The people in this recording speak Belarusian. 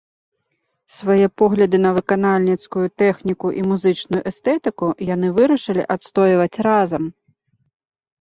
Свае погляды на выканальніцкую тэхніку і музычную эстэтыку яны вырашылі адстойваць разам.